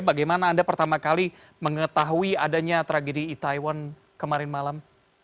bagaimana anda pertama kali mengetahui adanya tragedi itaewon kemarin malam